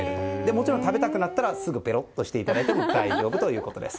もちろん食べたくなったらすぐペロッとしていただいて大丈夫だということです。